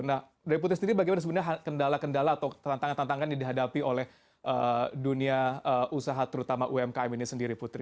nah dari putri sendiri bagaimana sebenarnya kendala kendala atau tantangan tantangan yang dihadapi oleh dunia usaha terutama umkm ini sendiri putri